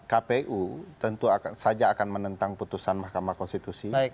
kpu tentu saja akan menentang putusan mahkamah konstitusi